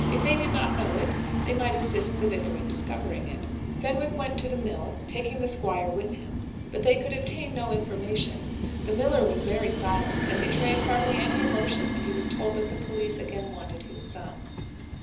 If they did not know it, they might assist the Vicar in discovering it. Fenwick went to the mill, taking the Squire with him; but they could obtain no information. The miller was very silent, and betrayed hardly any emotion when he was told that the police again wanted his son.